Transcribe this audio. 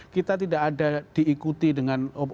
kita tidak ada diikuti dengan